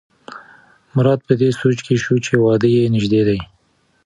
مراد په دې سوچ کې شو چې واده یې نژدې دی.